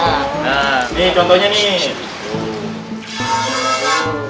nah ini contohnya nih